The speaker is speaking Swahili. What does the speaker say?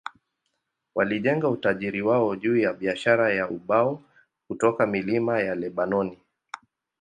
Walijenga utajiri wao juu ya biashara ya ubao kutoka milima ya Lebanoni.